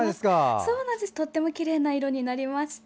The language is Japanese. とてもきれいな色になりました。